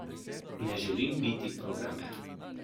Ne želim biti programer.